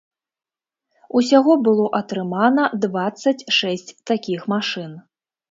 Усяго было атрымана дваццаць шэсць такіх машын.